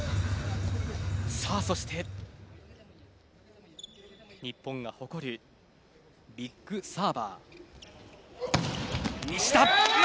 そして、日本が誇るビッグサーバー、西田。